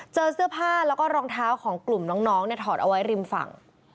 เจอเสื้อผ้าแล้วก็รองเท้าของกลุ่มน้องเนี่ยถอดเอาไว้ริมฝั่ง